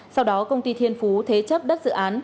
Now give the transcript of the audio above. sau đó công ty thiên phú thế chấp đất dự án